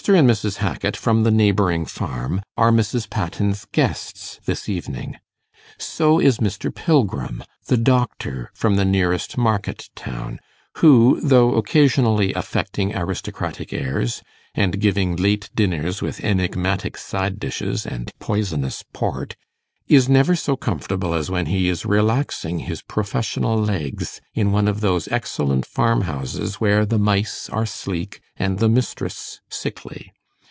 and Mrs. Hackit, from the neighbouring farm, are Mrs. Patten's guests this evening; so is Mr. Pilgrim, the doctor from the nearest market town, who, though occasionally affecting aristocratic airs, and giving late dinners with enigmatic side dishes and poisonous port, is never so comfortable as when he is relaxing his professional legs in one of those excellent farmhouses where the mice are sleek and the mistress sickly.